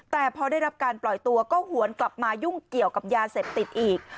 แต่พอได้รับการปล่อยตัวก็หวนกลับมายุ่งเกี่ยวกับยาเสพติดอีก